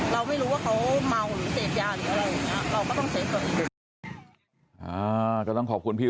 แล้วตามหายาดของแม่ลูกคู่นี้